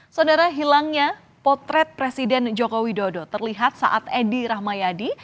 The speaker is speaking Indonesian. saudara hilangnya potret presiden joko widodo terlihat saat edi rahmayadi